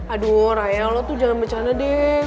aduh rayal lo tuh jangan bencana deh